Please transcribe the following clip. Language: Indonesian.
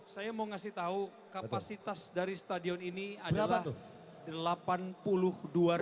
saya mau ngasih tahu kapasitas dari stadion ini adalah